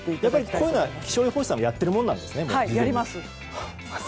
こういうのは気象予報士さんはやってるものなんですね